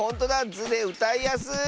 「ズ」でうたいやすい！